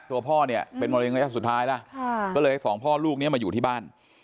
ตัวพ่อเนี้ยเป็นบริษัทสุดท้ายแล้วค่ะก็เลยให้สองพ่อลูกเนี้ยมาอยู่ที่บ้าน